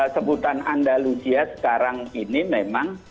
sebutan andalusia sekarang ini memang